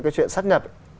cái chuyện sát nhập